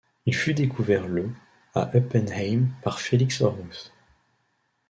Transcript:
Il fut découvert le à Heppenheim par Felix Hormuth.